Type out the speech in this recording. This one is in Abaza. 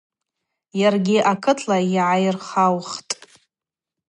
Йаргьи акытла йгӏайырхаухтӏ.